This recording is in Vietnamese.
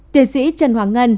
tiến sĩ trần hoàng ngân